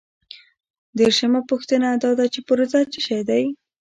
دیرشمه پوښتنه دا ده چې پروژه څه شی ده؟